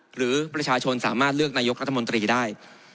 หรือประชาชนสามารถเลือกนายกรัฐมนตรีได้